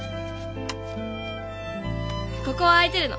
ここは空いてるの。